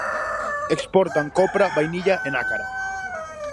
Exportan copra, vainilla e nácara.